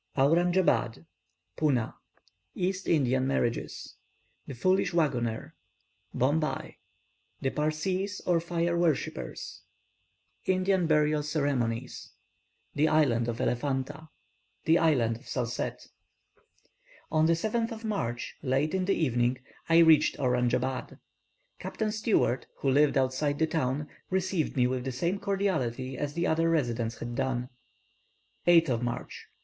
AURANJABAD PUNA EAST INDIAN MARRIAGES THE FOOLISH WAGGONER BOMBAY THE PARSEES, OR FIRE WORSHIPPERS INDIAN BURIAL CEREMONIES THE ISLAND OF ELEPHANTA THE ISLAND OF SALSETTE. On the 7th of March, late in the evening, I reached Auranjabad. Captain Stewart, who lived outside the town, received me with the same cordiality as the other residents had done. 8th March.